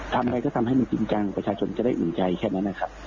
ทำอะไรก็ทำให้มันจริงจังประชาชนจะได้อุ่นใจแค่นั้นนะครับ